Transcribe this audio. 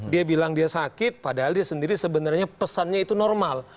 dia bilang dia sakit padahal dia sendiri sebenarnya pesannya itu normal